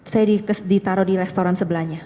saya ditaruh di restoran sebelahnya